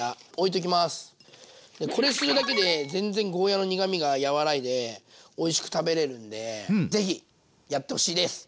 でこれするだけで全然ゴーヤーの苦みがやわらいでおいしく食べれるんで是非やってほしいです。